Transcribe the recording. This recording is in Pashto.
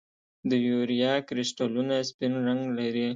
د یوریا کرسټلونه سپین رنګ لري.